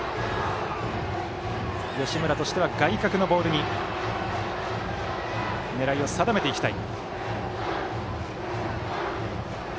吉村としては外角のボールに狙いを定めていきたい。